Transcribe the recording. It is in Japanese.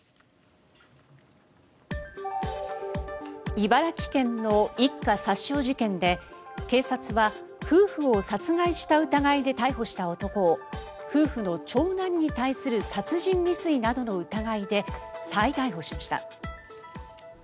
茨城県の一家殺傷事件で警察は夫婦を殺害した疑いで逮捕した男を夫婦の長男に対する殺人未遂などの疑いで再逮捕しました。